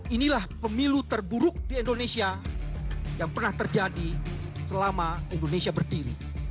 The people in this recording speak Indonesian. inilah pemilu terburuk di indonesia yang pernah terjadi selama indonesia berdiri